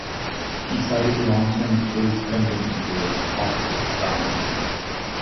He cited a long-term achilles tendon injury as the cause of his retirement.